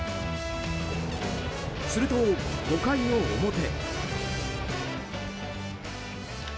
すると、５回の表。